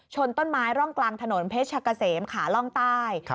ต้นไม้ร่องกลางถนนเพชรกะเสมขาล่องใต้